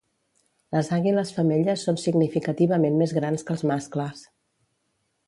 Les àguiles femelles són significativament més grans que els mascles.